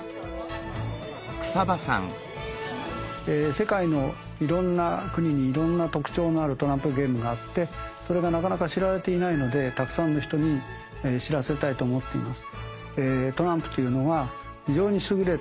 世界のいろんな国にいろんな特徴のあるトランプゲームがあってそれがなかなか知られていないのでたくさんの人に知らせたいと思っています。